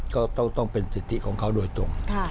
ก็ต้องเป็นสิทธิของเขาโดยตรง